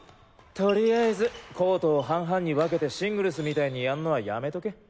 とりあえずコートを半々に分けてシングルスみたいにやんのはやめとけ！